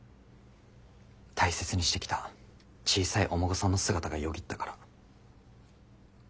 大切にしてきた小さいお孫さんの姿がよぎったから。